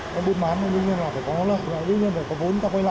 cái buôn bán đương nhiên là phải có lợi đương nhiên là có vốn ta quay lại